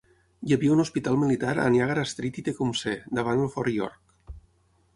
Hi havia un hospital militar a Niagara Street i Tecumseh, davant el Fort York.